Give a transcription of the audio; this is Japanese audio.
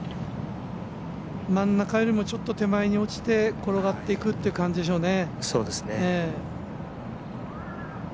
真ん中よりもちょっと手前に落ちて転がっていくという感じでしょうね。